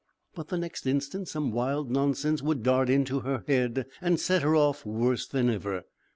But the next instant some wild nonsense would dart into her head, and set her off worse than ever.